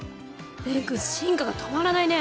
蓮くん進化が止まらないね！